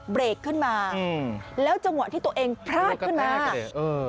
เบรกขึ้นมาอืมแล้วจังหวะที่ตัวเองพลาดขึ้นมาเบรกเออ